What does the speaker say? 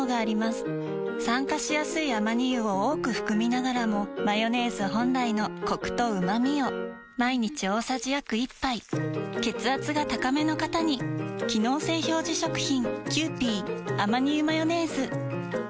酸化しやすいアマニ油を多く含みながらもマヨネーズ本来のコクとうまみを毎日大さじ約１杯血圧が高めの方に機能性表示食品皆様。